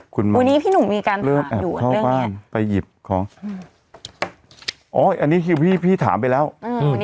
คุณวันนี้พี่หนูมีการถามอยู่เรื่องเนี้ยเริ่มแอบเข้าบ้านไปหยิบของอ๋ออันนี้พี่พี่ถามไปแล้วอืม